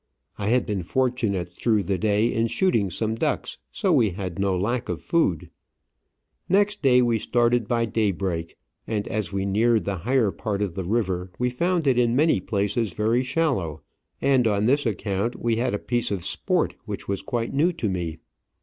I had been fortunate through the day in shooting some ducks, so we had no lack of food. Next day we started by daybreak, and as we neared the higher part of the river we found it in many places very shallow, and on this account we had a piece of sport which was quite new to me.